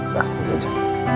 nah nanti aja